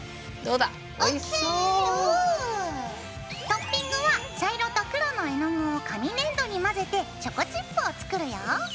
トッピングは茶色と黒の絵の具を紙粘土に混ぜてチョコチップを作るよ。